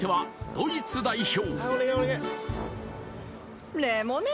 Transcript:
ドイツ代表